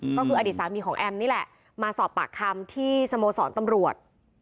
ก็คืออดีตสามีของแอมนี่แหละมาสอบปากคำที่สโมสรตำรวจ